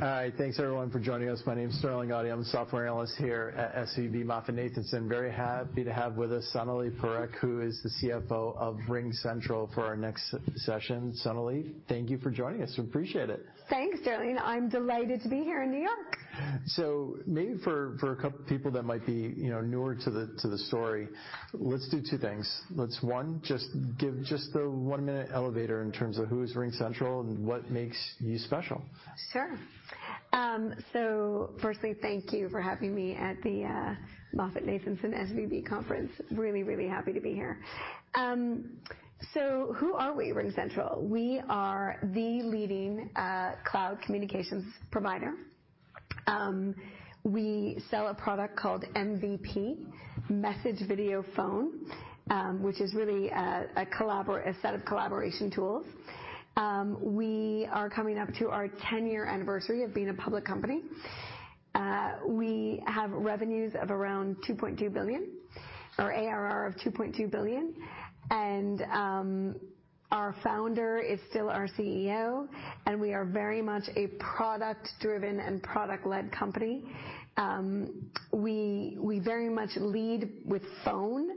Hi. Thanks everyone for joining us. My name's Sterling Auty. I'm a software analyst here at SVB MoffettNathanson. Very happy to have with us Sonalee Parekh, who is the CFO of RingCentral, for our next session. Sonalee, thank you for joining us. We appreciate it. Thanks, Sterling. I'm delighted to be here in New York. Maybe for a couple people that might be, you know, newer to the story, let's do two things. Let's, one, just give the one-minute elevator in terms of who's RingCentral and what makes you special. Sure. Firstly, thank you for having me at the MoffettNathanson SVB conference. Really happy to be here. Who are we, RingCentral? We are the leading cloud communications provider. We sell a product called MVP, Message Video Phone, which is really a set of collaboration tools. We are coming up to our 10-year anniversary of being a public company. We have revenues of around $2.2 billion, or ARR of $2.2 billion. Our founder is still our CEO, and we are very much a product-driven and product-led company. We very much lead with phone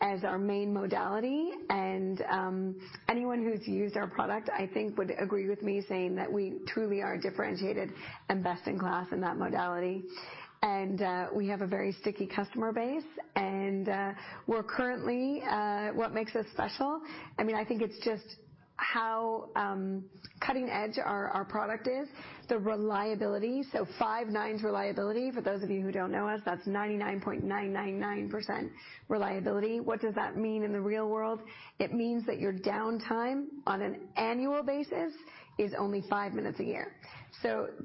as our main modality. Anyone who's used our product, I think would agree with me saying that we truly are differentiated and best in class in that modality. We have a very sticky customer base, we're currently. What makes us special, I mean, I think it's just how cutting edge our product is, the reliability. Five nines reliability. For those of you who don't know us, that's 99.999% reliability. What does that mean in the real world? It means that your downtime on an annual basis is only five minutes a year.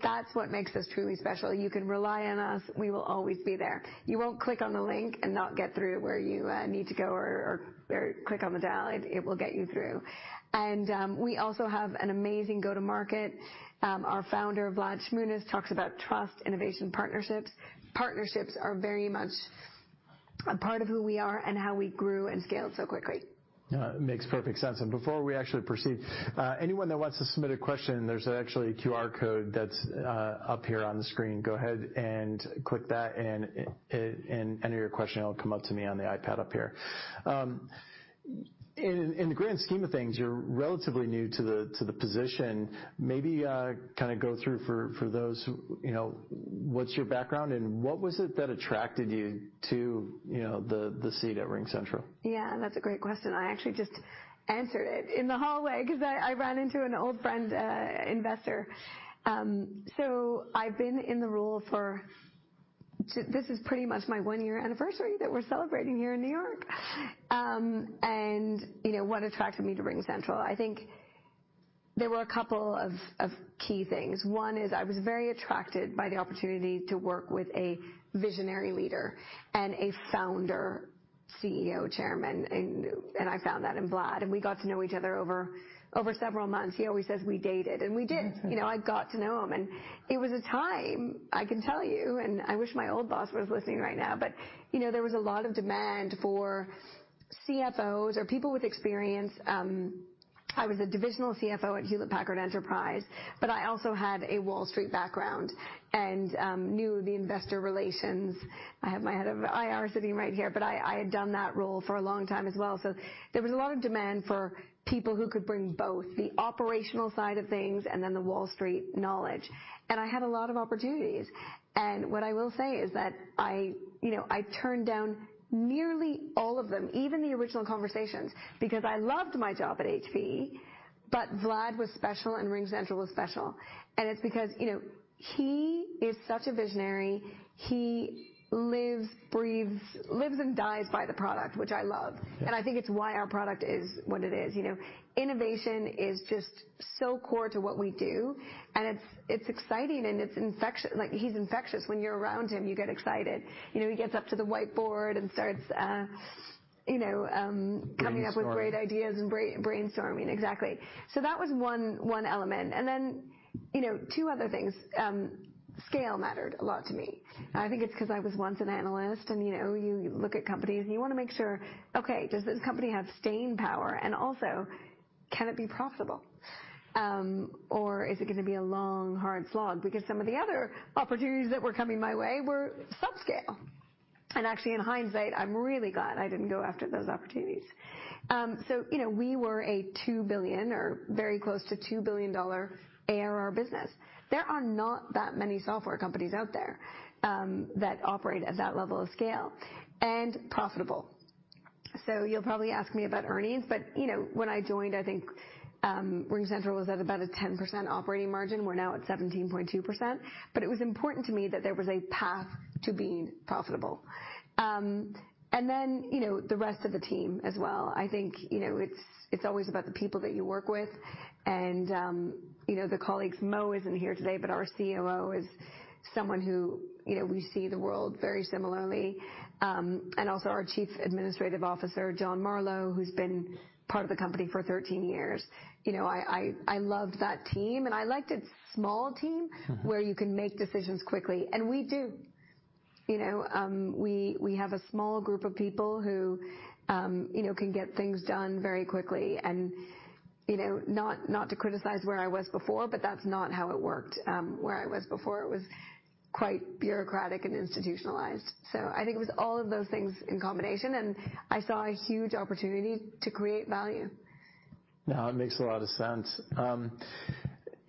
That's what makes us truly special. You can rely on us. We will always be there. You won't click on the link and not get through where you need to go. Click on the dial. It will get you through. We also have an amazing go-to-market. Our Founder, Vlad Shmunis, talks about trust, innovation, partnerships. Partnerships are very much a part of who we are and how we grew and scaled so quickly. Makes perfect sense. Before we actually proceed, anyone that wants to submit a question, there's actually a QR code that's up here on the screen. Go ahead and click that and enter your question. It'll come up to me on the iPad up here. In the grand scheme of things, you're relatively new to the position. Maybe kinda go through for those who... You know, what's your background, and what was it that attracted you to, you know, the seat at RingCentral? Yeah, that's a great question. I actually just answered it in the hallway 'cause I ran into an old friend, investor. I've been in the role for this is pretty much my one-year anniversary that we're celebrating here in New York. You know, what attracted me to RingCentral? I think there were a couple of key things. One is I was very attracted by the opportunity to work with a visionary leader and a founder, CEO, chairman and I found that in Vlad. We got to know each other over several months. He always says we dated. We did. You know, I got to know him, and it was a time, I can tell you, and I wish my old boss was listening right now, but, you know, there was a lot of demand for CFOs or people with experience. I was a divisional CFO at Hewlett Packard Enterprise, but I also had a Wall Street background and knew the investor relations. I have my head of IR sitting right here, but I had done that role for a long time as well. There was a lot of demand for people who could bring both the operational side of things and then the Wall Street knowledge, and I had a lot of opportunities. What I will say is that I, you know, I turned down nearly all of them, even the original conversations, because I loved my job at HP, but Vlad was special, and RingCentral was special. It's because, you know, he is such a visionary. He lives, breathes, lives and dies by the product, which I love. Yeah. I think it's why our product is what it is, you know. Innovation is just so core to what we do, and it's exciting, and it's infectious. He's infectious. When you're around him, you get excited. You know, he gets up to the whiteboard and starts, you know. Brainstorming. coming up with great ideas and brainstorming. Exactly. That was one element. Then, you know, two other things. Scale mattered a lot to me. I think it's 'cause I was once an analyst and, you know, you look at companies, and you wanna make sure, okay, does this company have staying power? Also can it be profitable? Is it gonna be a long, hard slog? Because some of the other opportunities that were coming my way were subscale. Actually, in hindsight, I'm really glad I didn't go after those opportunities. You know, we were a $2 billion or very close to $2 billion ARR business. There are not that many software companies out there, that operate at that level of scale, and profitable. You'll probably ask me about earnings, but, you know, when I joined, I think, RingCentral was at about a 10% operating margin. We're now at 17.2%, but it was important to me that there was a path to being profitable. Then, you know, the rest of the team as well. I think, you know, it's always about the people that you work with and, you know, the colleagues. Mo isn't here today, but our COO is someone who, you know, we see the world very similarly. Also our Chief Administrative Officer, John Marlow, who's been part of the company for 13 years. You know, I love that team, and I like the small team. where you can make decisions quickly. We do. You know, we have a small group of people who, you know, can get things done very quickly and, you know, not to criticize where I was before. That's not how it worked. Where I was before, it was quite bureaucratic and institutionalized. I think it was all of those things in combination, and I saw a huge opportunity to create value. No, it makes a lot of sense.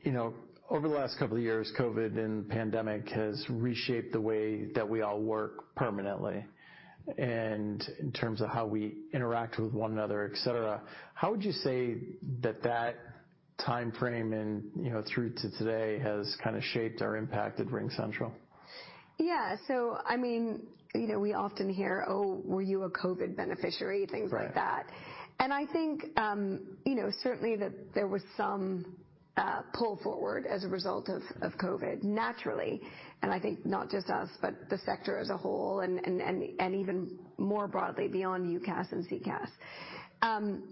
you know, over the last couple of years, COVID and pandemic has reshaped the way that we all work permanently, and in terms of how we interact with one another, et cetera. How would you say that that timeframe and, you know, through to today has kinda shaped or impacted RingCentral? Yeah. I mean, you know, we often hear, "Oh, were you a COVID beneficiary?" Things like that. Right. I think, you know, certainly that there was some pull forward as a result of COVID, naturally, and I think not just us, but the sector as a whole, and even more broadly beyond UCaaS and CCaaS.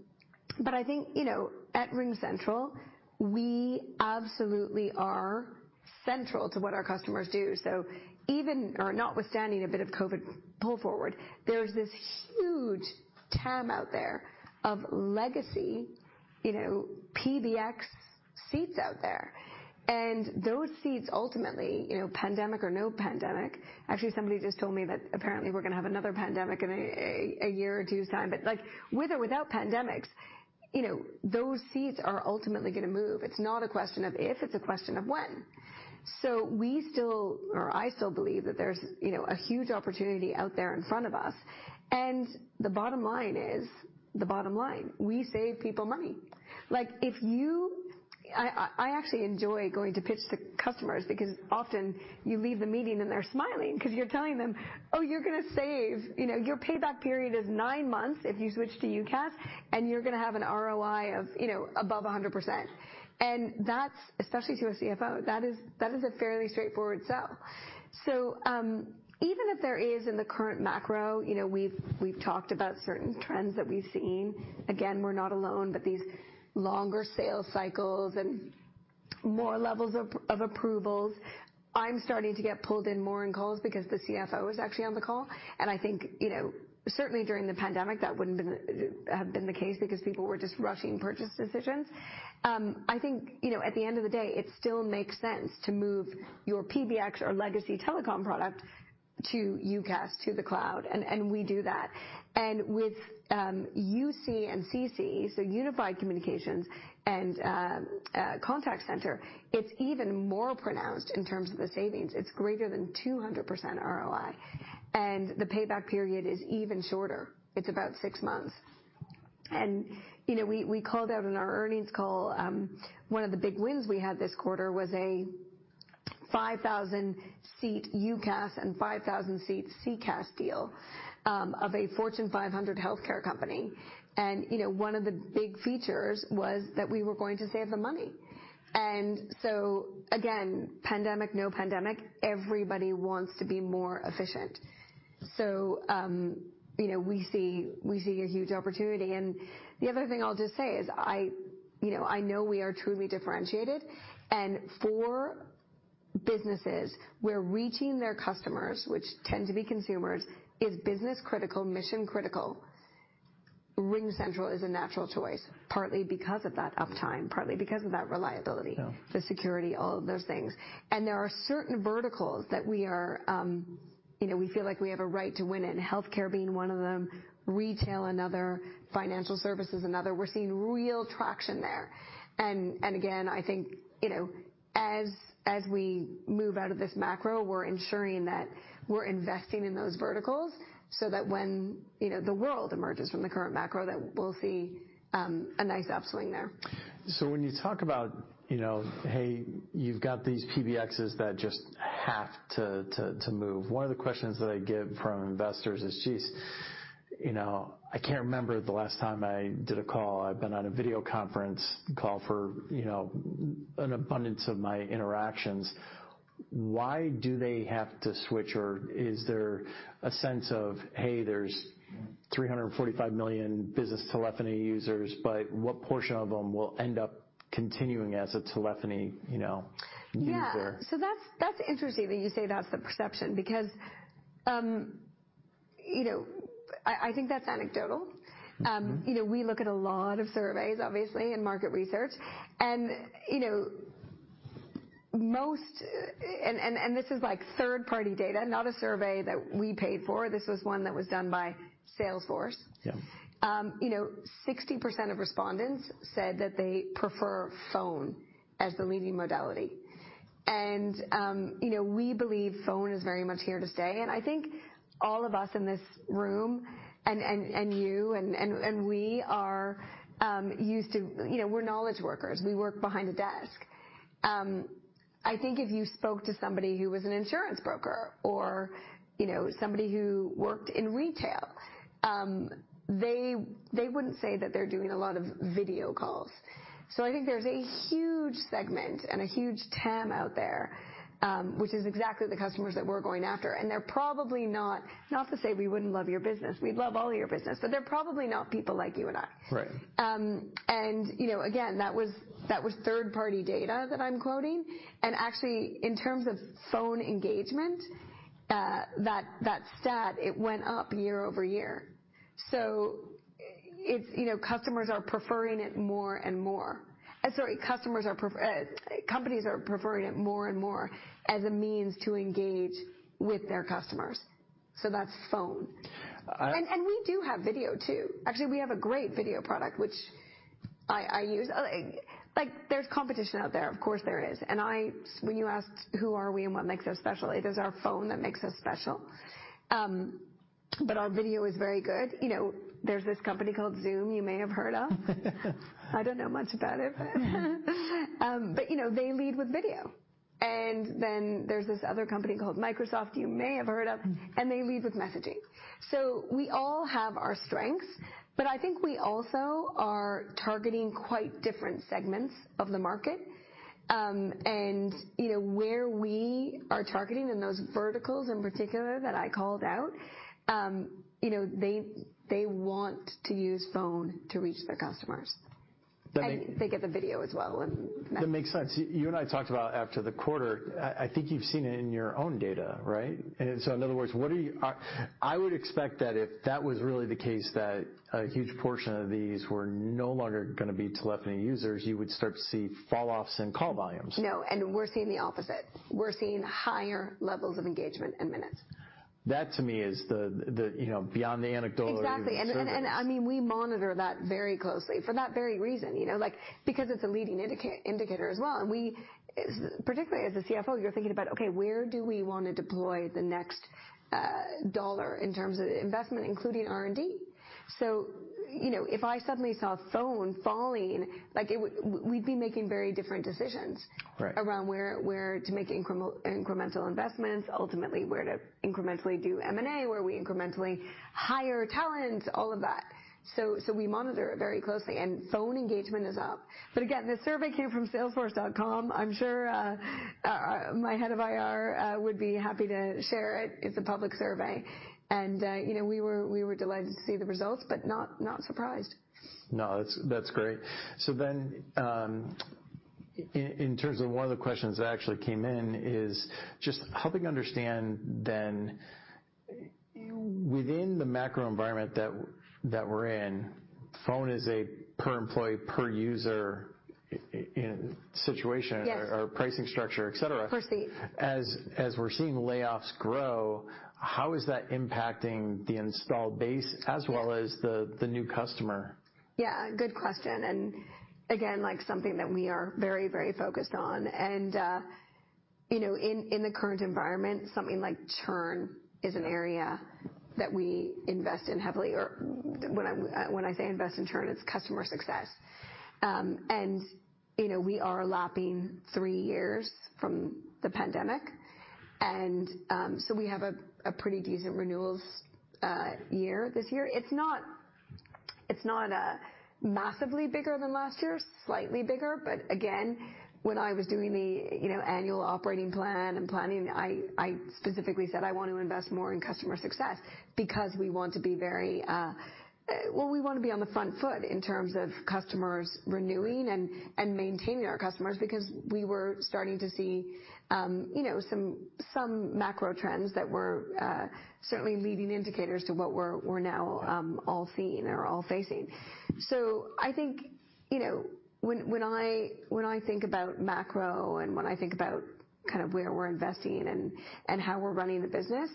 I think, you know, at RingCentral, we absolutely are central to what our customers do. Even or notwithstanding a bit of COVID pull forward, there's this huge TAM out there of legacy, you know, PBX seats out there. Those seats ultimately, you know, pandemic or no pandemic. Actually, somebody just told me that apparently we're gonna have another pandemic in a year or two's time. Like, with or without pandemics, you know, those seats are ultimately gonna move. It's not a question of if, it's a question of when. We still, or I still believe that there's, you know, a huge opportunity out there in front of us. The bottom line is the bottom line. We save people money. Like, I actually enjoy going to pitch to customers because often you leave the meeting and they're smiling 'cause you're telling them, "Oh, you're gonna save, you know, your payback period is nine months if you switch to UCaaS, and you're gonna have an ROI of, you know, above 100%." That's, especially to a CFO, that is a fairly straightforward sell. Even if there is in the current macro, you know, we've talked about certain trends that we've seen, again, we're not alone, but these longer sales cycles and more levels of approvals, I'm starting to get pulled in more on calls because the CFO is actually on the call, and I think, you know, certainly during the pandemic, that wouldn't have been the case because people were just rushing purchase decisions. I think, you know, at the end of the day, it still makes sense to move your PBX or legacy telecom product to UCaaS, to the cloud, and we do that. With UC and CC, so unified communications and contact center, it's even more pronounced in terms of the savings. It's greater than 200% ROI, and the payback period is even shorter. It's about six months. You know, we called out in our earnings call, one of the big wins we had this quarter was a 5,000-seat UCaaS and 5,000-seat CCaaS deal of a Fortune 500 healthcare company. You know, one of the big features was that we were going to save them money. Again, pandemic, no pandemic, everybody wants to be more efficient. You know, we see a huge opportunity. The other thing I'll just say is you know, I know we are truly differentiated. For businesses where reaching their customers, which tend to be consumers, is business-critical, mission critical, RingCentral is a natural choice, partly because of that uptime, partly because of that reliability. Yeah. The security, all of those things. There are certain verticals that we are, you know, we feel like we have a right to win in, healthcare being one of them, retail another, financial services another. We're seeing real traction there. Again, I think, you know, as we move out of this macro, we're ensuring that we're investing in those verticals so that when, you know, the world emerges from the current macro, that we'll see a nice upswing there. When you talk about, you know, hey, you've got these PBXs that just have to, to move, one of the questions that I get from investors is, geez, you know, I can't remember the last time I did a call. I've been on a video conference call for, you know, an abundance of my interactions. Why do they have to switch? Or is there a sense of, hey, there's 345 million business telephony users, but what portion of them will end up continuing as a telephony, you know, user? Yeah. that's interesting that you say that's the perception because, you know, I think that's anecdotal. You know, we look at a lot of surveys, obviously, and market research and, you know, most. This is, like, third-party data, not a survey that we paid for. This was one that was done by Salesforce. Yeah. You know, 60% of respondents said that they prefer phone as the leading modality. You know, we believe phone is very much here to stay, and I think all of us in this room, and you and we are used to, you know, we're knowledge workers. We work behind a desk. I think if you spoke to somebody who was an insurance broker or, you know, somebody who worked in retail, they wouldn't say that they're doing a lot of video calls. I think there's a huge segment and a huge TAM out there, which is exactly the customers that we're going after, and they're probably not. Not to say we wouldn't love your business. We'd love all your business, but they're probably not people like you and I. Right. You know, again, that was third-party data that I'm quoting. Actually, in terms of phone engagement, that stat, it went up year-over-year. It's, you know, customers are preferring it more and more. Sorry, companies are preferring it more and more as a means to engage with their customers. That's phone. We do have video, too. Actually, we have a great video product, which I use. Like, there's competition out there. Of course, there is. When you asked who are we and what makes us special, it is our phone that makes us special. Our video is very good. You know, there's this company called Zoom you may have heard of. I don't know much about it, but you know, they lead with video. There's this other company called Microsoft you may have heard of, and they lead with messaging. We all have our strengths, but I think we also are targeting quite different segments of the market. You know, where we are targeting in those verticals in particular that I called out, you know, they want to use phone to reach their customers. They get the video as well and messaging. That makes sense. You and I talked about after the quarter, I think you've seen it in your own data, right? In other words, I would expect that if that was really the case, that a huge portion of these were no longer gonna be telephony users, you would start to see falloffs in call volumes. No, and we're seeing the opposite. We're seeing higher levels of engagement in minutes. That, to me, is the, you know, beyond the anecdotal evidence surface. Exactly. I mean, we monitor that very closely for that very reason, you know? Like, because it's a leading indicator as well. We, as, particularly as a CFO, you're thinking about, okay, where do we wanna deploy the next $1 in terms of investment, including R&D? You know, if I suddenly saw phone falling, like it would. We'd be making very different decisions. Right around where to make incremental investments, ultimately where to incrementally do M&A, where we incrementally hire talent, all of that. We monitor it very closely, and phone engagement is up. Again, this survey came from Salesforce.com. I'm sure, my head of IR would be happy to share it. It's a public survey. You know, we were delighted to see the results, but not surprised. No, that's great. in terms of one of the questions that actually came in is just helping understand then within the macro environment that we're in, phone is a per employee, per user in situation-. Yes Or pricing structure, et cetera. Of course. As we're seeing layoffs grow, how is that impacting the installed base as well as the new customer? Yeah, good question. Again, like something that we are very, very focused on. You know, in the current environment, something like churn is an area that we invest in heavily. Or when I say invest in churn, it's customer success. You know, we are lapping three years from the pandemic. So we have a pretty decent renewals year this year. It's not, it's not massively bigger than last year, slightly bigger. Again, when I was doing the, you know, annual operating plan and planning, I specifically said I want to invest more in customer success because we want to be very... We wanna be on the front foot in terms of customers renewing and maintaining our customers because we were starting to see, you know, some macro trends that were certainly leading indicators to what we're now all seeing or all facing. I think, you know, when I think about macro and when I think about kind of where we're investing and how we're running the business,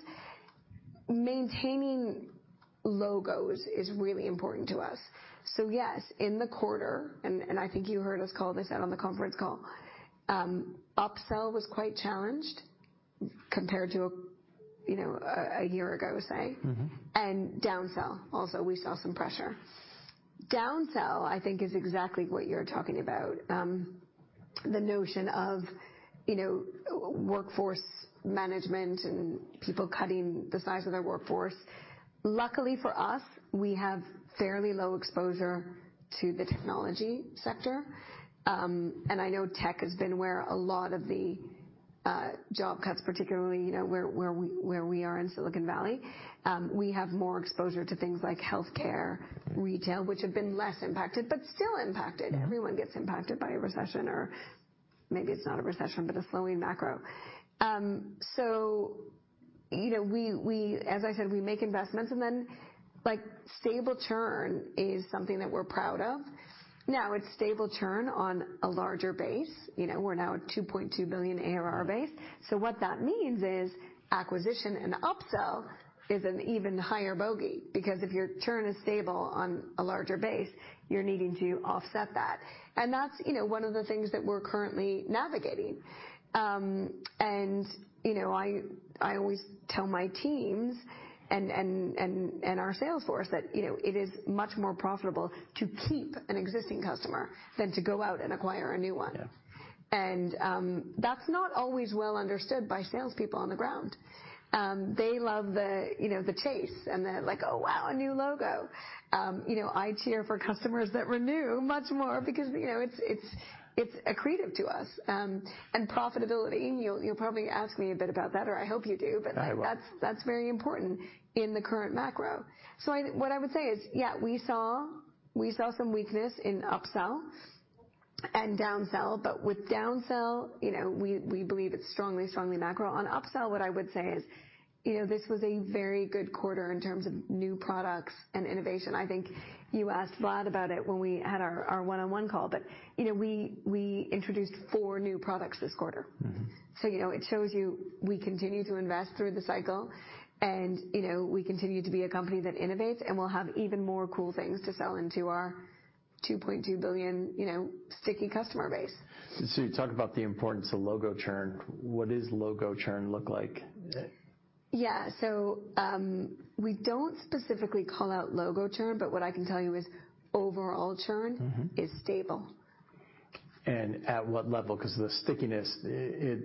maintaining logos is really important to us. Yes, in the quarter, and I think you heard us call this out on the conference call, upsell was quite challenged compared to, you know, a year ago, say. Downsell also, we saw some pressure. Downsell, I think is exactly what you're talking about. The notion of, you know, workforce management and people cutting the size of their workforce. Luckily for us, we have fairly low exposure to the technology sector. I know tech has been where a lot of the job cuts, particularly, you know, where we are in Silicon Valley. We have more exposure to things like healthcare, retail, which have been less impacted, but still impacted. Yeah. Everyone gets impacted by a recession or maybe it's not a recession, but a slowing macro. You know, we, as I said, we make investments and then, like, stable churn is something that we're proud of. Now it's stable churn on a larger base. You know, we're now at $2.2 billion ARR base. What that means is acquisition and upsell is an even higher bogey because if your churn is stable on a larger base, you're needing to offset that. That's, you know, one of the things that we're currently navigating. You know, I always tell my teams and our sales force that, you know, it is much more profitable to keep an existing customer than to go out and acquire a new one. Yeah. That's not always well understood by salespeople on the ground. They love the, you know, the chase and the like, "Oh, wow, a new logo." You know, I cheer for customers that renew much more because, you know, it's, it's accretive to us. Profitability, you'll probably ask me a bit about that, or I hope you do. I will. That's very important in the current macro. What I would say is, yeah, we saw some weakness in upsell, and down-sell, but with down-sell, you know, we believe it's strongly macro. On upsell, what I would say is, you know, this was a very good quarter in terms of new products and innovation. I think you asked Vlad about it when we had our one-on-one call. You know, we introduced four new products this quarter. you know, it shows you we continue to invest through the cycle and, you know, we continue to be a company that innovates, and we'll have even more cool things to sell into our $2.2 billion, you know, sticky customer base. You talk about the importance of logo churn. What does logo churn look like? Yeah. We don't specifically call out logo churn, but what I can tell you is overall churn is stable. At what level? 'Cause the stickiness,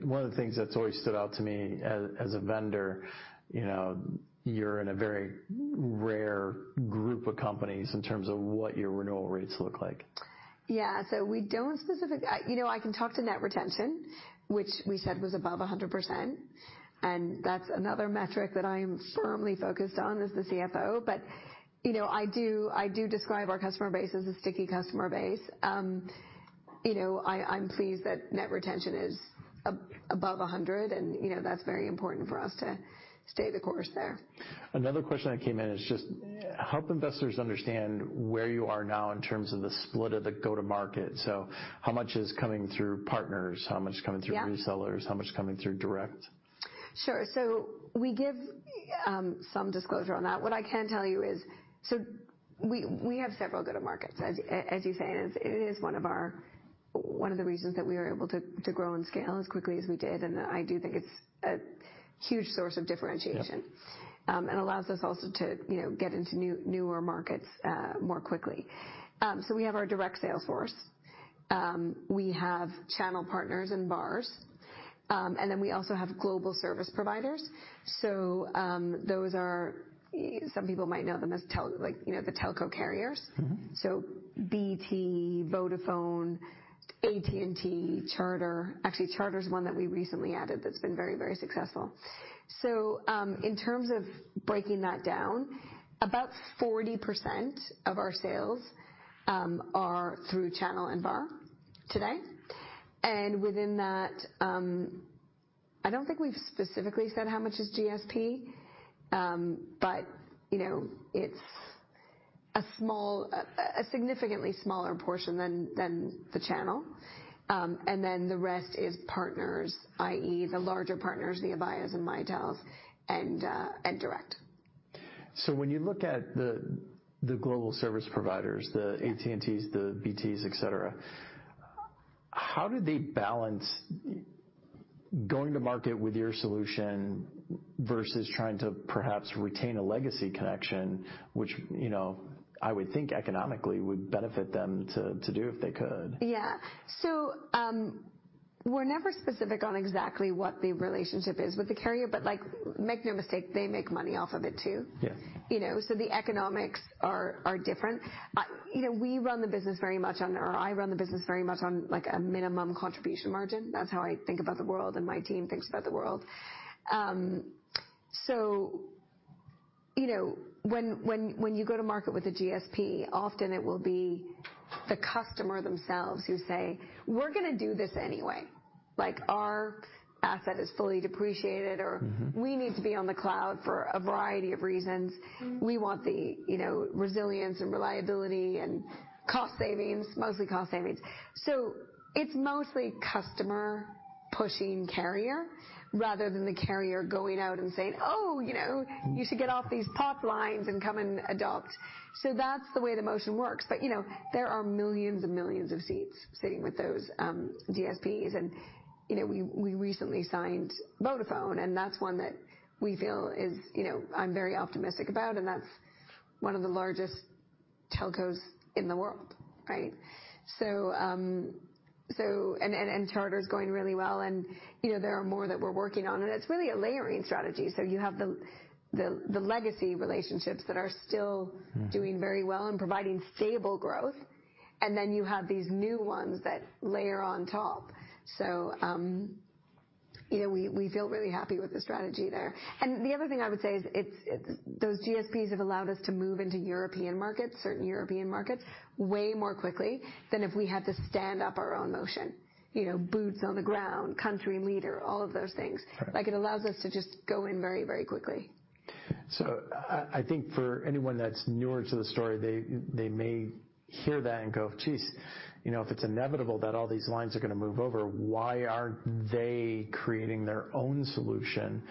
one of the things that's always stood out to me as a vendor, you know, you're in a very rare group of companies in terms of what your renewal rates look like. I, you know, I can talk to net retention, which we said was above 100%, that's another metric that I'm firmly focused on as the CFO. You know, I do describe our customer base as a sticky customer base. You know, I'm pleased that net retention is above 100 and, you know, that's very important for us to stay the course there. Another question that came in is just help investors understand where you are now in terms of the split of the go-to-market. How much is coming through partners? How much is coming through... Yeah. resellers? How much is coming through direct? Sure. We give, some disclosure on that. What I can tell you is, we have several go-to-markets, as you say. It is one of our reasons that we were able to grow and scale as quickly as we did. I do think it's a huge source of differentiation. Yeah. And allows us also to, you know, get into new, newer markets more quickly. We have our direct sales force. We have channel partners and VARs. We also have global service providers. Those are some people might know them as like, you know, the telco carriers. BT, Vodafone, AT&T, Charter. Actually, Charter's one that we recently added that's been very, very successful. In terms of breaking that down, about 40% of our sales are through channel and VAR today. Within that, I don't think we've specifically said how much is GSP, but, you know, it's a significantly smaller portion than the channel. The rest is partners, i.e., the larger partners, the Avayas and Mitel, and direct. When you look at the global service providers. Yeah. The AT&Ts, the BTs, et cetera, how do they balance going to market with your solution versus trying to perhaps retain a legacy connection, which, you know, I would think economically would benefit them to do if they could? Yeah. We're never specific on exactly what the relationship is with the carrier, but, like, make no mistake, they make money off of it too. Yeah. You know, I run the business very much on, like, a minimum contribution margin. That's how I think about the world and my team thinks about the world. You know, when you go to market with a GSP, often it will be the customer themselves who say, 'We're gonna do this anyway.' Like, 'Our asset is fully depreciated.' We need to be on the cloud for a variety of reasons. We want the, you know, resilience and reliability and cost savings. Mostly cost savings. It's mostly customer pushing carrier rather than the carrier going out and saying, "Oh, you know, you should get off these POTS lines and come and adopt." That's the way the motion works. You know, there are millions and millions of seats sitting with those GSPs, and, you know, we recently signed Vodafone, and that's one that we feel is, you know, I'm very optimistic about, and that's one of the largest telcos in the world, right? Charter's going really well, and, you know, there are more that we're working on, and it's really a layering strategy. You have the legacy relationships that are still doing very well and providing stable growth. You have these new ones that layer on top. you know, we feel really happy with the strategy there. The other thing I would say is it's Those GSPs have allowed us to move into European markets, certain European markets, way more quickly than if we had to stand up our own motion, you know, boots on the ground, country leader, all of those things. Right. Like, it allows us to just go in very, very quickly. I think for anyone that's newer to the story, they may hear that and go, "Geez, you know, if it's inevitable that all these lines are gonna move over, why aren't they creating their own solution,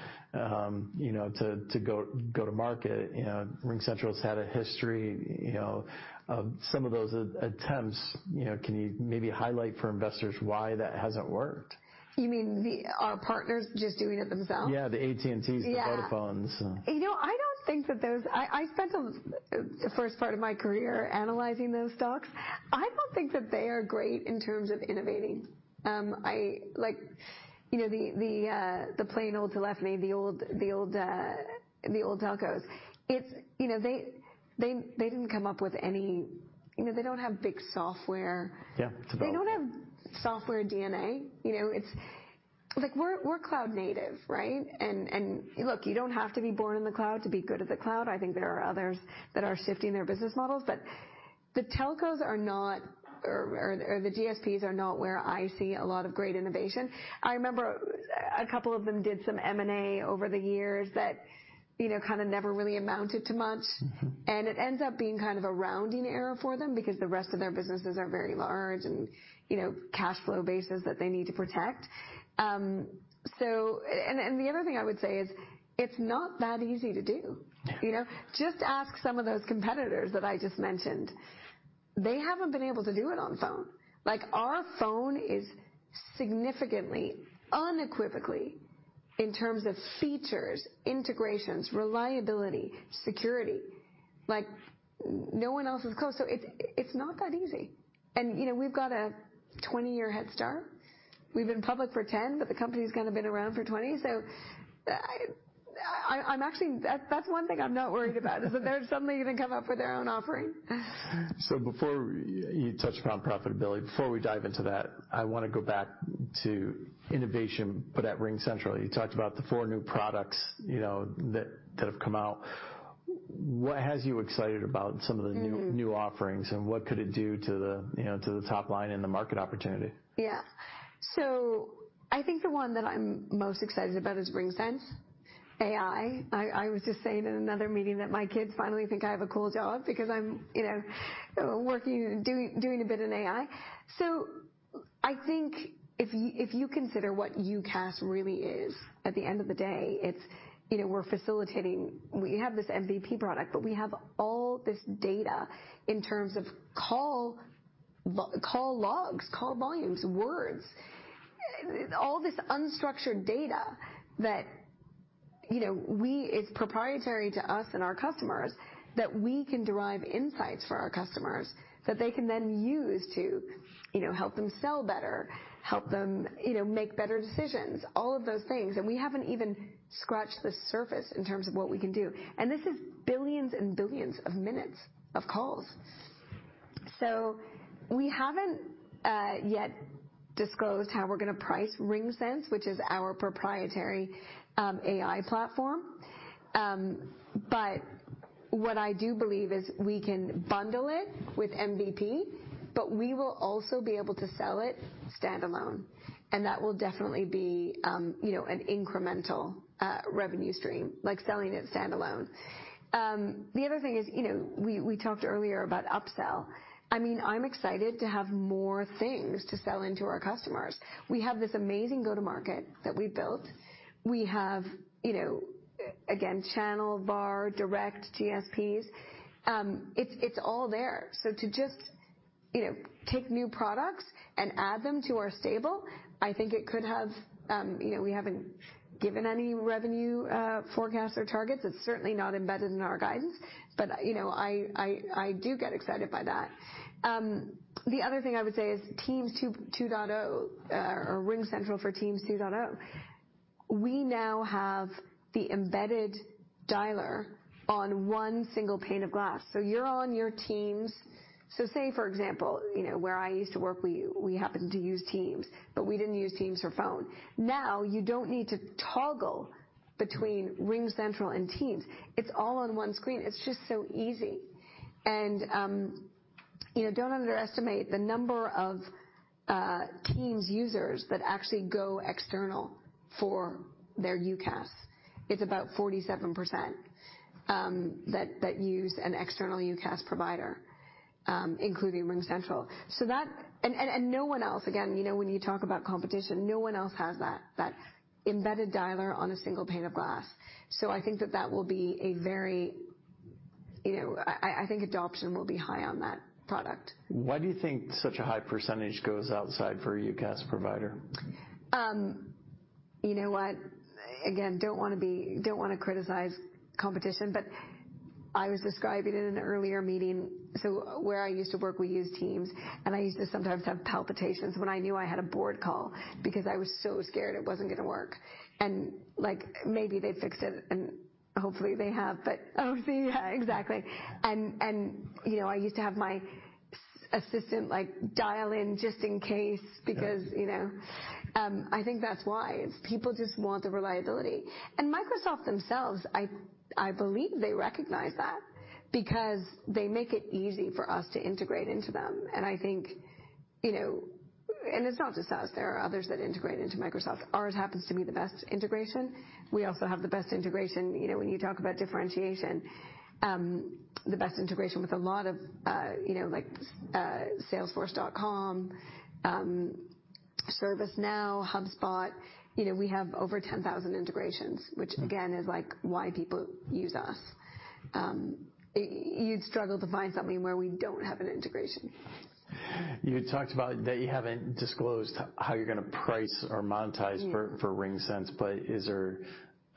you know, to go to market?" You know, RingCentral's had a history, you know, of some of those attempts. You know, can you maybe highlight for investors why that hasn't worked? You mean our partners just doing it themselves? Yeah, the AT&Ts- Yeah. The Vodafones. You know, I spent a first part of my career analyzing those stocks. I don't think that they are great in terms of innovating. Like, you know, the plain old telephony, the old telcos. You know, they didn't come up with any. You know, they don't have big software- Yeah. It's about- They don't have software DNA. You know, we're cloud native, right? Look, you don't have to be born in the cloud to be good at the cloud. I think there are others that are shifting their business models. The telcos are not, or the GSPs are not where I see a lot of great innovation. I remember a couple of them did some M&A over the years that, you know, kind of never really amounted to much. It ends up being kind of a rounding error for them because the rest of their businesses are very large and, you know, cashflow bases that they need to protect. The other thing I would say is it's not that easy to do. Yeah. You know? Just ask some of those competitors that I just mentioned. They haven't been able to do it on phone. Like, our phone is significantly, unequivocally, in terms of features, integrations, reliability, security, like no one else is close. It's, it's not that easy. You know, we've got a 20-year head start. We've been public for 10, but the company's kind of been around for 20. I'm actually. That's one thing I'm not worried about, is that they're suddenly gonna come up with their own offering. Before you touch upon profitability, before we dive into that, I wanna go back to innovation but at RingCentral. You talked about the four new products, you know, that have come out. What has you excited about some of? New offerings, what could it do to the, you know, to the top line and the market opportunity? Yeah. I think the one that I'm most excited about is RingSense AI. I was just saying in another meeting that my kids finally think I have a cool job because I'm, you know, working, doing a bit in AI. I think if you consider what UCaaS really is, at the end of the day it's, you know, we're facilitating. We have this MVP product, but we have all this data in terms of call logs, call volumes, words. All this unstructured data that, you know, we. It's proprietary to us and our customers that we can derive insights for our customers that they can then use to, you know, help them sell better, help them, you know, make better decisions, all of those things. We haven't even scratched the surface in terms of what we can do. This is billions and billions of minutes of calls. We haven't yet disclosed how we're gonna price RingSense, which is our proprietary AI platform. What I do believe is we can bundle it with MVP, but we will also be able to sell it standalone, and that will definitely be, you know, an incremental revenue stream, like selling it standalone. The other thing is, you know, we talked earlier about upsell. I mean, I'm excited to have more things to sell into our customers. We have this amazing go-to-market that we've built. We have, you know, again, channel, VAR, direct GSPs. It's all there. To just, you know, take new products and add them to our stable, I think it could have. You know, we haven't given any revenue forecasts or targets. It's certainly not embedded in our guidance. You know, I, I do get excited by that. The other thing I would say is Microsoft Teams 2.0, or RingCentral for Microsoft Teams 2.0, we now have the embedded dialer on one single pane of glass. You're on your Microsoft Teams... Say for example, you know, where I used to work, we happened to use Microsoft Teams, but we didn't use Microsoft Teams for phone. Now you don't need to toggle between RingCentral and Microsoft Teams. It's all on one screen. It's just so easy. You know, don't underestimate the number of Microsoft Teams users that actually go external for their UCaaS. It's about 47% that use an external UCaaS provider, including RingCentral. That... No one else, again, you know, when you talk about competition, no one else has that embedded dialer on a single pane of glass. I think, you know, I think adoption will be high on that product. Why do you think such a high percentage goes outside for a UCaaS provider? You know what, again, don't wanna be, don't wanna criticize competition. I was describing in an earlier meeting. Where I used to work, we use Teams, and I used to sometimes have palpitations when I knew I had a board call because I was so scared it wasn't gonna work. Like, maybe they fixed it, and hopefully they have, but. Oh, see. Yeah, exactly. You know, I used to have my assistant, like, dial in just in case. Yeah. because, you know. I think that's why. People just want the reliability. Microsoft themselves, I believe they recognize that because they make it easy for us to integrate into them. I think, you know. It's not just us. There are others that integrate into Microsoft. Ours happens to be the best integration. We also have the best integration, you know, when you talk about differentiation, the best integration with a lot of, you know, like, Salesforce.com, ServiceNow, HubSpot. You know, we have over 10,000 integrations, which again, is like why people use us. You'd struggle to find something where we don't have an integration. You talked about that you haven't disclosed how you're gonna price or monetize. Yeah. For RingSense, is there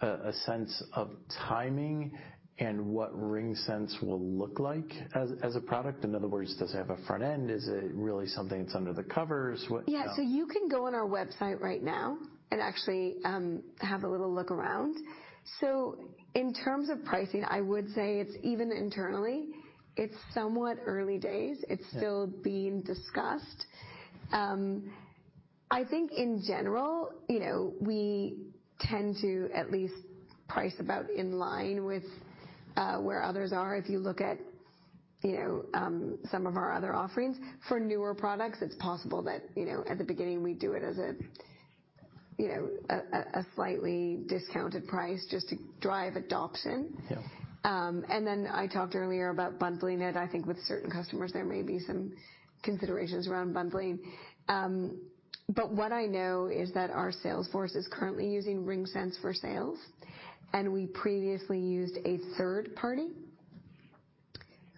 a sense of timing and what RingSense will look like as a product? In other words, does it have a front end? Is it really something that's under the covers? What? Yeah. You can go on our website right now and actually have a little look around. In terms of pricing, I would say it's even internally, it's somewhat early days. Yeah. It's still being discussed. I think in general, you know, we tend to at least price about in line with where others are. If you look at, you know, some of our other offerings. For newer products, it's possible that, you know, at the beginning, we do it as a, you know, a slightly discounted price just to drive adoption. Yeah. Then I talked earlier about bundling it. I think with certain customers, there may be some considerations around bundling. What I know is that our sales force is currently using RingSense for Sales, and we previously used a third party,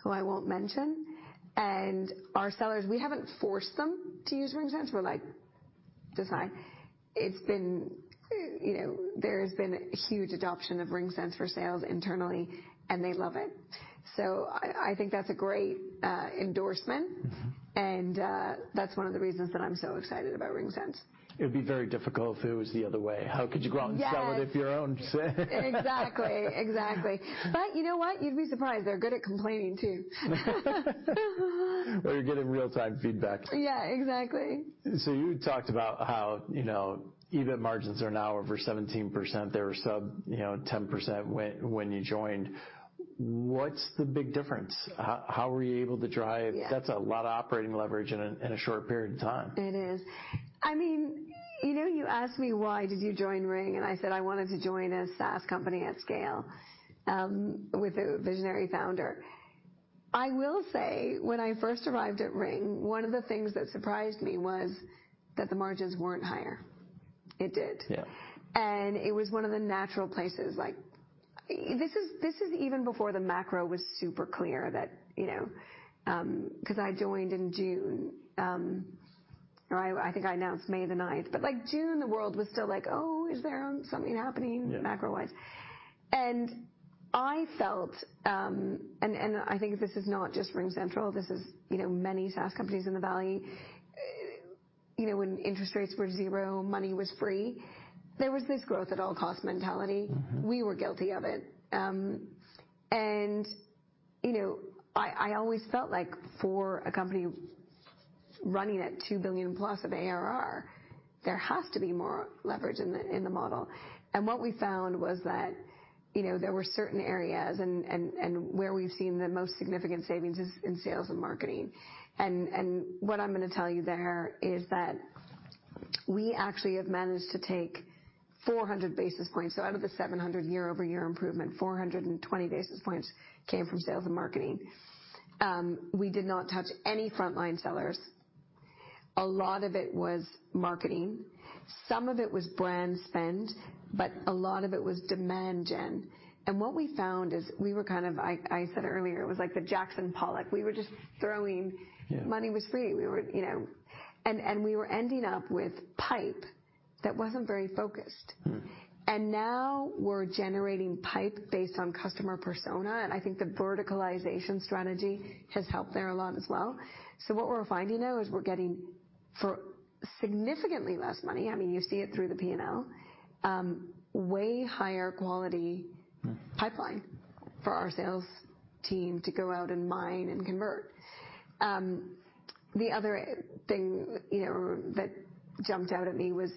who I won't mention. Our sellers, we haven't forced them to use RingSense. We're like, "Just buy." It's been, you know. There has been huge adoption of RingSense for Sales internally, and they love it. I think that's a great endorsement. That's one of the reasons that I'm so excited about RingSense. It'd be very difficult if it was the other way. How could you go? Yes. Sell it if you're on sale? Exactly, exactly. You know what? You'd be surprised. They're good at complaining too. Well, you're getting real-time feedback. Yeah, exactly. You talked about how, you know, EBIT margins are now over 17%. They were sub, you know, 10% when you joined. What's the big difference? How were you able to drive-? Yeah. That's a lot of operating leverage in a short period of time. It is. I mean, you know, you asked me, why did you join Ring? I said, I wanted to join a SaaS company at scale, with a visionary founder. I will say, when I first arrived at Ring, one of the things that surprised me was that the margins weren't higher. It did. Yeah. It was one of the natural places. Like, this is even before the macro was super clear that, you know, 'Cause I joined in June, or I think I announced May the ninth. Like June, the world was still like, "Oh, is there, something happening macro-wise?" I felt, and I think this is not just RingCentral, this is, you know, many SaaS companies in the valley. You know, when interest rates were zero, money was free. There was this growth at all cost mentality. We were guilty of it. You know, I always felt like for a company running at $2 billion plus of ARR, there has to be more leverage in the model. What we found was that, you know, there were certain areas and where we've seen the most significant savings is in sales and marketing. What I'm gonna tell you there is that we actually have managed to take 400 basis points. Out of the 700 year-over-year improvement, 420 basis points came from sales and marketing. We did not touch any frontline sellers. A lot of it was marketing. Some of it was brand spend, but a lot of it was demand gen. What we found is we were kind of. I said earlier, it was like the Jackson Pollock. We were just. Yeah. Money was free. We were, you know, we were ending up with pipe that wasn't very focused. Now we're generating pipe based on customer persona, and I think the verticalization strategy has helped there a lot as well. What we're finding now is we're getting for significantly less money, I mean, you see it through the P&L, way higher quality pipeline for our sales team to go out and mine and convert. The other thing, you know, that jumped out at me was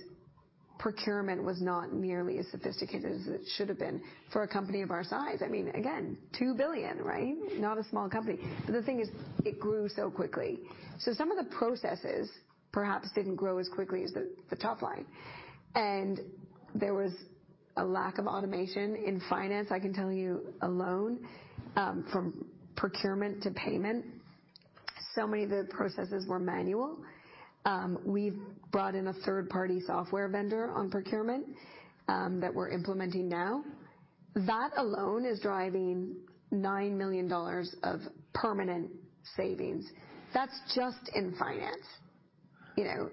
procurement was not nearly as sophisticated as it should have been for a company of our size. I mean, again, $2 billion, right? Not a small company. The thing is it grew so quickly. Some of the processes perhaps didn't grow as quickly as the top line. There was a lack of automation in finance. I can tell you alone, from procurement to payment, so many of the processes were manual. We've brought in a third-party software vendor on procurement that we're implementing now. That alone is driving $9 million of permanent savings. That's just in finance, you know.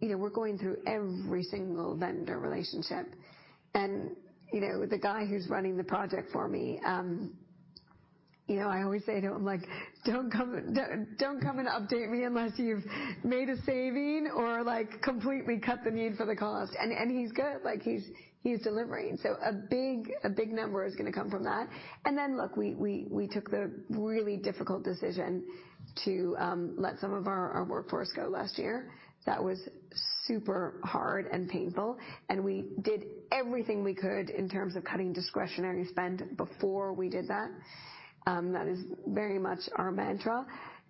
You know, we're going through every single vendor relationship. You know, the guy who's running the project for me, you know, I always say to him, like, "Don't come, don't come and update me unless you've made a saving or like completely cut the need for the cost." He's good. Like, he's delivering. A big number is gonna come from that. Look, we took the really difficult decision to let some of our workforce go last year. That was super hard and painful, and we did everything we could in terms of cutting discretionary spend before we did that. That is very much our mantra.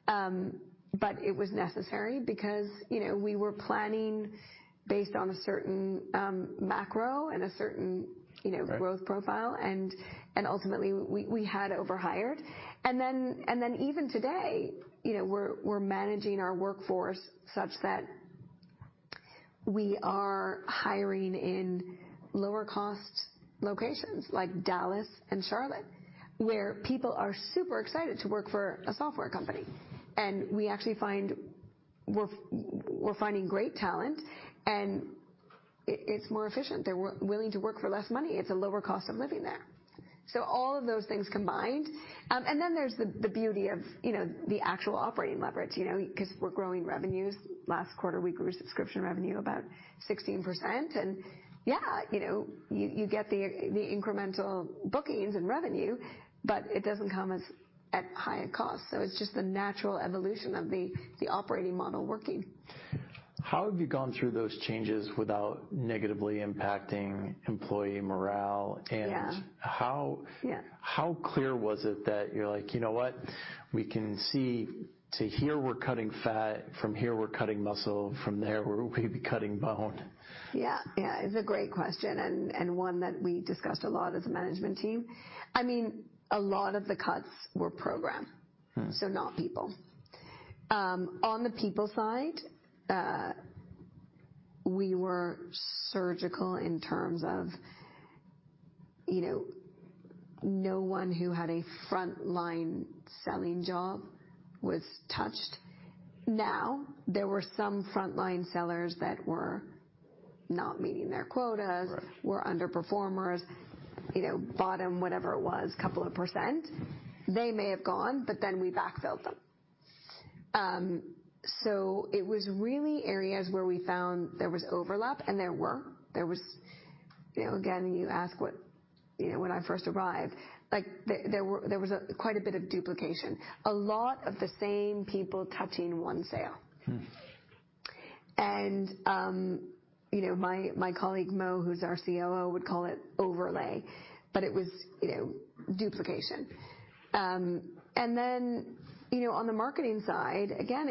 It was necessary because, you know, we were planning based on a certain macro and a certain, you know right growth profile, ultimately we had overhired. Even today, you know, we're managing our workforce such that we are hiring in lower cost locations like Dallas and Charlotte, where people are super excited to work for a software company. We actually find we're finding great talent, and it's more efficient. They're willing to work for less money. It's a lower cost of living there. All of those things combined. Then there's the beauty of, you know, the actual operating leverage, you know, 'cause we're growing revenues. Last quarter, we grew subscription revenue about 16%. Yeah, you know, you get the incremental bookings and revenue, but it doesn't come at high a cost. It's just the natural evolution of the operating model working. How have you gone through those changes without negatively impacting employee morale? Yeah. How clear was it that you're like, 'You know what? We can see to here we're cutting fat, from here we're cutting muscle, from there we'll be cutting bone'? Yeah, yeah. It's a great question, and one that we discussed a lot as a management team. I mean, a lot of the cuts were program. Not people. On the people side, we were surgical in terms of, you know, no one who had a frontline selling job was touched. There were some frontline sellers that were not meeting their quotas. Right Were underperformers, you know, bottom, whatever it was, couple of percent. They may have gone. Then we backfilled them. It was really areas where we found there was overlap. There was... You know, again, you ask what, you know, when I first arrived, like, there was a quite a bit of duplication. A lot of the same people touching 1 sale. You know, my colleague Mo, who's our COO, would call it overlay, but it was, you know, duplication. You know, on the marketing side, again,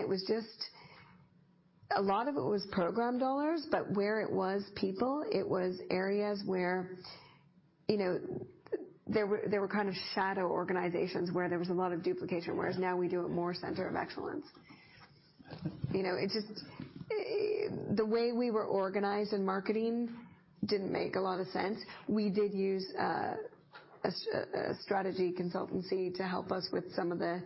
a lot of it was program dollars. Where it was people, it was areas where, you know, there were, there were kind of shadow organizations where there was a lot of duplication, whereas now we do it more center of excellence. You know, the way we were organized in marketing didn't make a lot of sense. We did use a strategy consultancy to help us with some of the,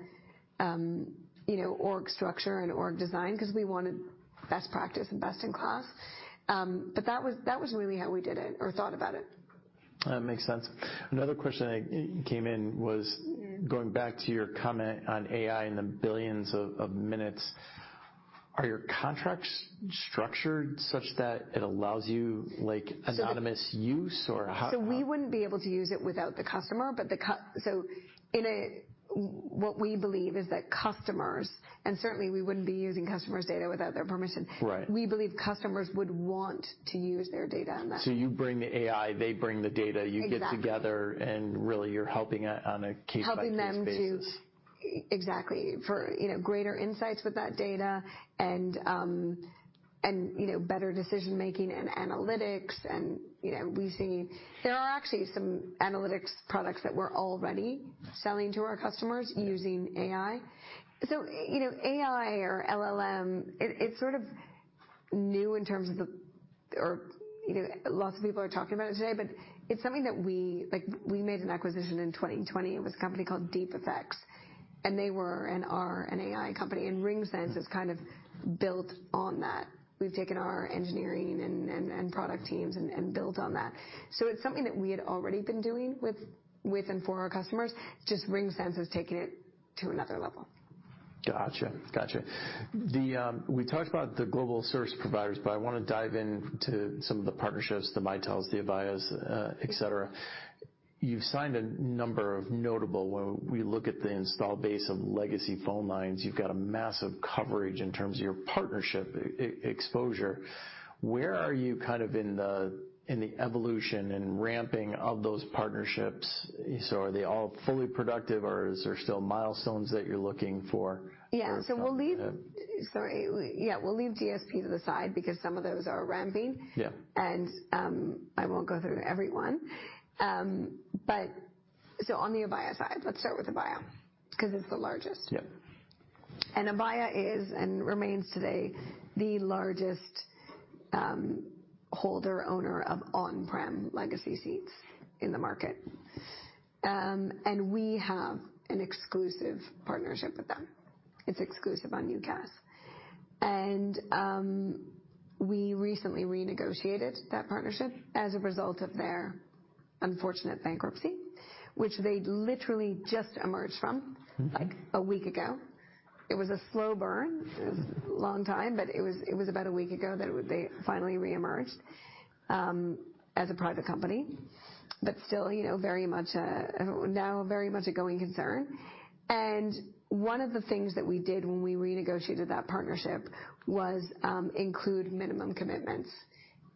you know, org structure and org design, 'cause we wanted best practice and best in class. That was, that was really how we did it or thought about it. That makes sense. Another question came in was going back to your comment on AI and the billions of minutes. Are your contracts structured such that it allows you, like, anonymous use or how? We wouldn't be able to use it without the customer. What we believe is that customers, and certainly we wouldn't be using customers' data without their permission. Right. We believe customers would want to use their data in that way. You bring the AI, they bring the data. Exactly. You get together, and really you're helping on a case by case basis. Helping them to. Exactly. For, you know, greater insights with that data and, you know, better decision-making and analytics and, you know, we've seen. There are actually some analytics products that we're already selling to our customers using AI. You know, AI or LLM, it's sort of new in terms of the, you know, lots of people are talking about it today, but it's something that we. Like, we made an acquisition in 2020 with a company called DeepAffects, and they were and are an AI company. RingSense is kind of built on that. We've taken our engineering and product teams and built on that. It's something that we had already been doing with and for our customers. Just RingSense is taking it to another level. Gotcha. Gotcha. We talked about the global service providers, but I wanna dive into some of the partnerships, the Mitel, the Avaya, et cetera. You've signed a number of notable. When we look at the install base of legacy phone lines, you've got a massive coverage in terms of your partnership exposure. Where are you kind of in the, in the evolution and ramping of those partnerships? Are they all fully productive or is there still milestones that you're looking for? We'll leave DSP to the side because some of those are ramping. Yeah. I won't go through every one. On the Avaya side, let's start with Avaya, 'cause it's the largest. Yeah. Avaya is, and remains today, the largest holder owner of on-prem legacy seats in the market. We have an exclusive partnership with them. It's exclusive on UCaaS. We recently renegotiated that partnership as a result of their unfortunate bankruptcy, which they literally just emerged from, like, a week ago. It was a slow burn. It was a long time, but it was about a week ago that they finally reemerged as a private company. Still, you know, very much, now very much a going concern. One of the things that we did when we renegotiated that partnership was include minimum commitments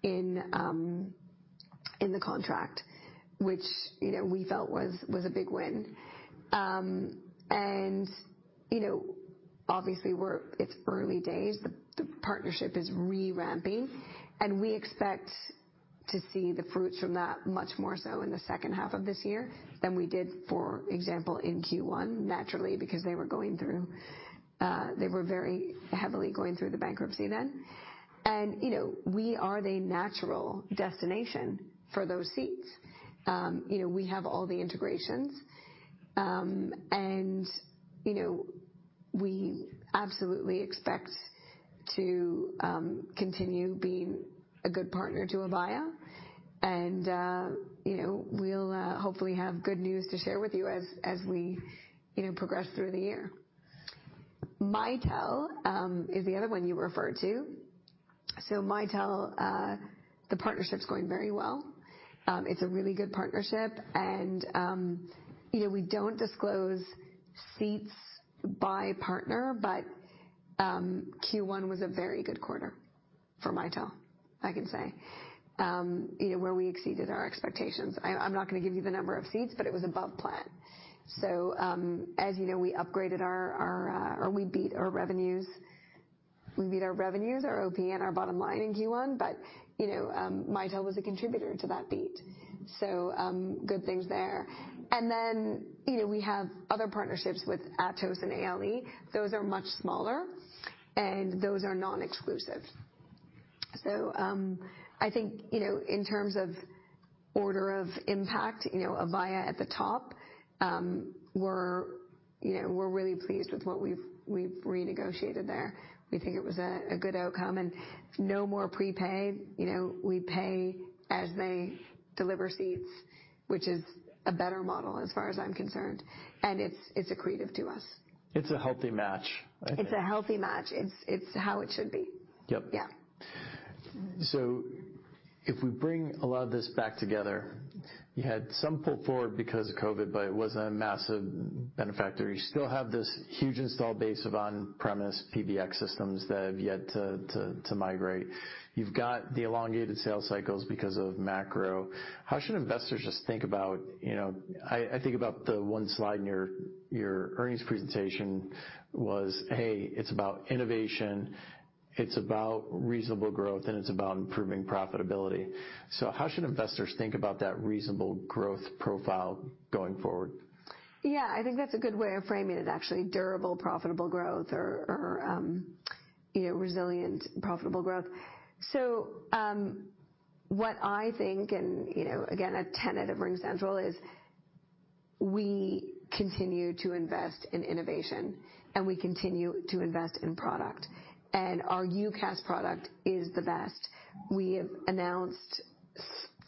in the contract, which, you know, we felt was a big win. You know, obviously we're... it's early days. The partnership is re-ramping, and we expect to see the fruits from that much more so in the second half of this year than we did, for example, in Q1, naturally, because they were going through, they were very heavily going through the bankruptcy then. You know, we are the natural destination for those seats. You know, we have all the integrations. You know, we absolutely expect to continue being a good partner to Avaya, and, you know, we'll hopefully have good news to share with you as we, you know, progress through the year. Mitel is the other one you referred to. Mitel, the partnership's going very well. It's a really good partnership and, you know, we don't disclose seats by partner, but Q1 was a very good quarter for Mitel, I can say. You know, where we exceeded our expectations. I'm not gonna give you the number of seats, but it was above plan. As you know, we beat our revenues. We beat our revenues, our OP and our bottom line in Q1. You know, Mitel was a contributor to that beat, good things there. You know, we have other partnerships with Atos and ALE. Those are much smaller, and those are non-exclusive. I think, you know, in terms of order of impact, you know, Avaya at the top, we're, you know, we're really pleased with what we've renegotiated there. We think it was a good outcome and no more prepaid. You know, we pay as they deliver seats, which is a better model as far as I'm concerned, and it's accretive to us. It's a healthy match, I think. It's a healthy match. It's how it should be. Yep. Yeah. If we bring a lot of this back together, you had some pull forward because of COVID, but it wasn't a massive benefactor. You still have this huge install base of on-premise PBX systems that have yet to migrate. You've got the elongated sales cycles because of macro. How should investors just think about, you know. I think about the one slide in your earnings presentation was, hey, it's about innovation, it's about reasonable growth, and it's about improving profitability. How should investors think about that reasonable growth profile going forward? Yeah, I think that's a good way of framing it, actually. Durable profitable growth or, you know, resilient profitable growth. What I think and, you know, again, a tenet of RingCentral is we continue to invest in innovation and we continue to invest in product, and our UCaaS product is the best. We have announced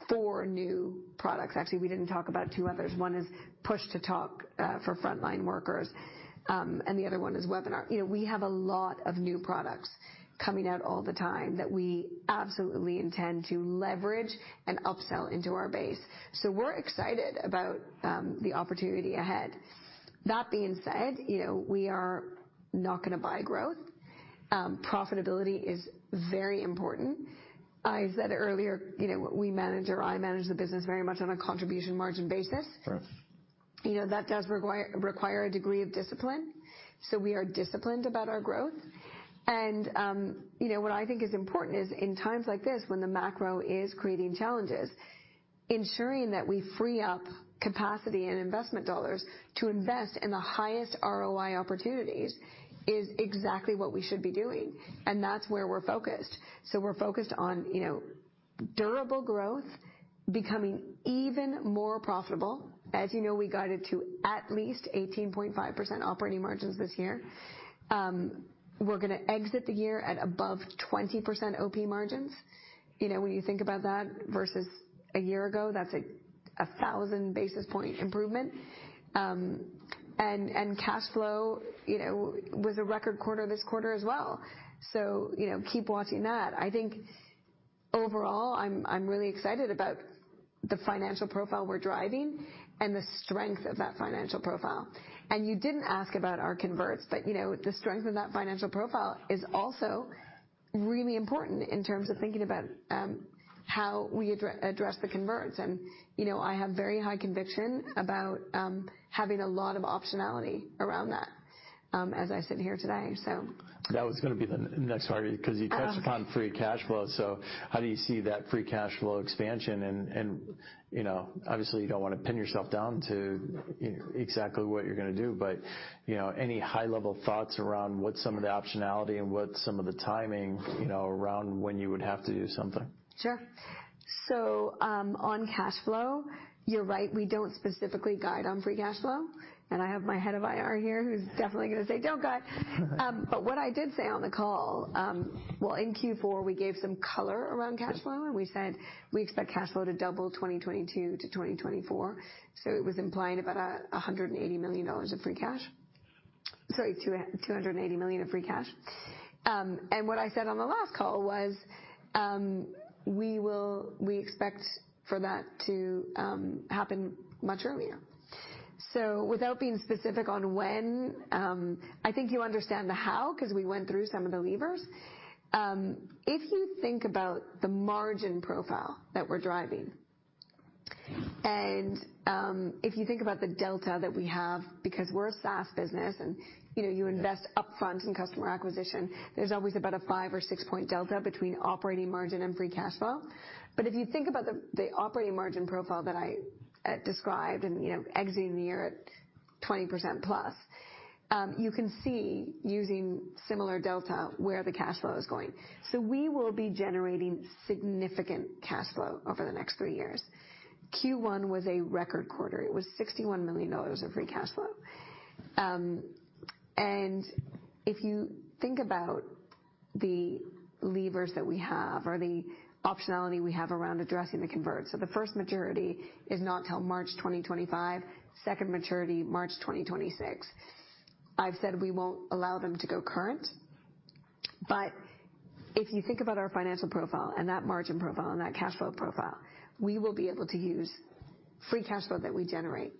four new products. Actually, we didn't talk about two others. One is Push to Talk for frontline workers, and the other one is Webinar. You know, we have a lot of new products coming out all the time that we absolutely intend to leverage and upsell into our base. We're excited about the opportunity ahead. That being said, you know, we are not gonna buy growth. Profitability is very important. I said earlier, you know, we manage or I manage the business very much on a contribution margin basis. Right. You know, that does require a degree of discipline, so we are disciplined about our growth. You know, what I think is important is in times like this when the macro is creating challenges, ensuring that we free up capacity and investment dollars to invest in the highest ROI opportunities is exactly what we should be doing, and that's where we're focused. We're focused on, you know, durable growth, becoming even more profitable. As you know, we guided to at least 18.5% operating margins this year. We're gonna exit the year at above 20% OP margins. You know, when you think about that versus a year ago, that's a 1,000 basis point improvement. And cash flow, you know, was a record quarter this quarter as well. You know, keep watching that. I think overall, I'm really excited about the financial profile we're driving and the strength of that financial profile. You didn't ask about our converts, but, you know, the strength of that financial profile is also really important in terms of thinking about how we address the converts. You know, I have very high conviction about having a lot of optionality around that as I sit here today, so. That was gonna be the next part 'cause you touched upon free cash flow. How do you see that free cash flow expansion? You know, obviously you don't wanna pin yourself down to exactly what you're gonna do, but, you know, any high-level thoughts around what's some of the optionality and what's some of the timing, you know, around when you would have to do something? Sure. On cash flow, you're right, we don't specifically guide on free cash flow, and I have my head of IR here who's definitely gonna say, "Don't guide." What I did say on the call. Well, in Q4 we gave some color around cash flow, and we said we expect cash flow to double 2022 to 2024, so it was implying about $180 million of free cash. Sorry, $280 million of free cash. What I said on the last call was, we expect for that to happen much earlier. Without being specific on when, I think you understand the how 'cause we went through some of the levers. If you think about the margin profile that we're driving, and if you think about the delta that we have, because we're a SaaS business and, you know, you invest upfront in customer acquisition, there's always about a five or six point delta between operating margin and free cash flow. If you think about the operating margin profile that I described and, you know, exiting the year at 20% plus, you can see using similar delta where the cash flow is going. We will be generating significant cash flow over the next 3 years. Q1 was a record quarter. It was $61 million of free cash flow. If you think about the levers that we have or the optionality we have around addressing the converts. The first maturity is not till March 2025, second maturity, March 2026. I've said we won't allow them to go current. If you think about our financial profile and that margin profile and that cash flow profile, we will be able to use free cash flow that we generate.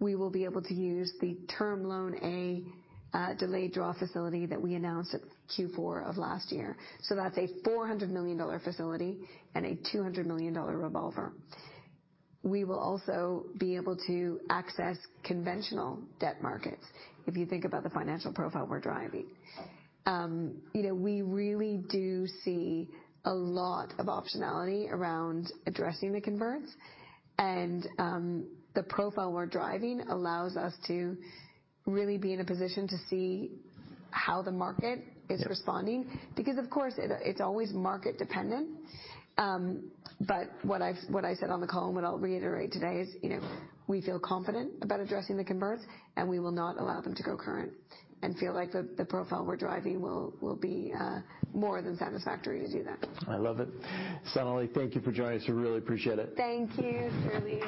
We will be able to use the term loan, a delayed draw facility that we announced at Q4 of last year. That's a $400 million facility and a $200 million revolver. We will also be able to access conventional debt markets if you think about the financial profile we're driving. You know, we really do see a lot of optionality around addressing the converts, and the profile we're driving allows us to really be in a position to see how the market is responding because of course, it's always market dependent. What I said on the call and what I'll reiterate today is, you know, we feel confident about addressing the converts, and we will not allow them to go current and feel like the profile we're driving will be more than satisfactory to do that. I love it. Sonalee, thank you for joining us. We really appreciate it. Thank you. Surely.